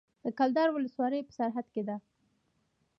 د کلدار ولسوالۍ په سرحد کې ده